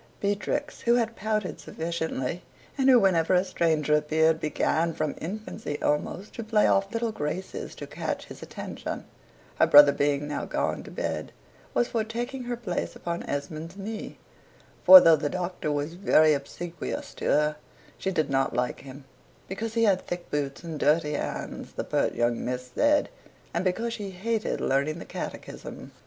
Beatrix, who had pouted sufficiently, (and who, whenever a stranger appeared, began, from infancy almost, to play off little graces to catch his attention,) her brother being now gone to bed, was for taking her place upon Esmond's knee: for, though the Doctor was very obsequious to her, she did not like him, because he had thick boots and dirty hands (the pert young miss said), and because she hated learning the catechism.